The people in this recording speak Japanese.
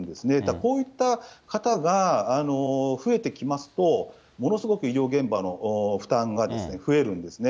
こういった方が増えてきますと、ものすごく医療現場の負担が増えるんですね。